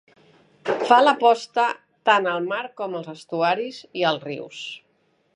Fa la posta tant al mar com als estuaris i els rius.